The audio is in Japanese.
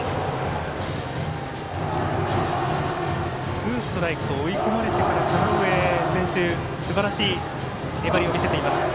ツーストライクと追い込まれてから田上選手、すばらしい粘りを見せています。